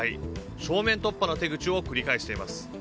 正面突破の手口を繰り返しています。